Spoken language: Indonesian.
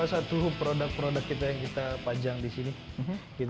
ya ini salah satu produk produk kita yang kita panjang di sini